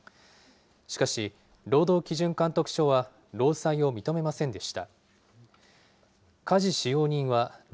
しかし、労働基準監督署は労災を認めませんでした。